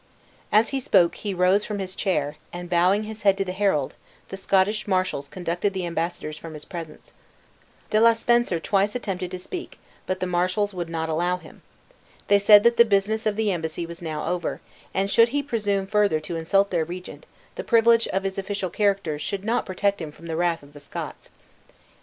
As he spoke he rose from his chair, and bowing his head to the herald, the Scottish marshals conducted the embassadors from his presence. Le de Spencer twice attempted to speak, but the marshals would not allow him. They said that the business of the embassy was now over; and should he presume further to insult their regent, the privilege of his official character should not protect him from the wrath of the Scots.